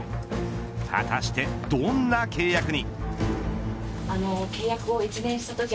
果たしてどんな契約に。